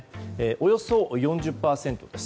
およそ４０％です。